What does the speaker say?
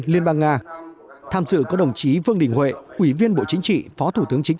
liên bang nga tham dự có đồng chí vương đình huệ ủy viên bộ chính trị phó thủ tướng chính